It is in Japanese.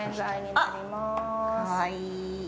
あっ、かわいい。